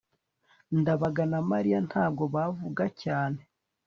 ndabaga na mariya ntabwo bavuga cyane